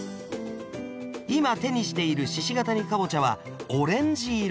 今手にしている鹿ケ谷かぼちゃはオレンジ色。